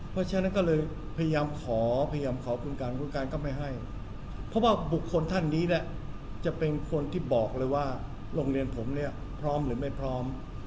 เพราะฉะนั้นก็เลยพยายามขอพยายามขอคุณการคุณการก็ไม่ให้เพราะว่าบุคคลท่านนี้เนี่ยจะเป็นคนที่บอกเลยว่าโรงเรียนผมเนี่ยพร้อมหรือไม่พร้อม